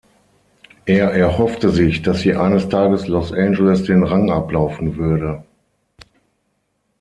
Er erhoffte sich, dass sie eines Tages Los Angeles den Rang ablaufen würde.